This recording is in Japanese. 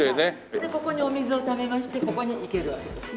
でここにお水をためましてここに生けるわけですね。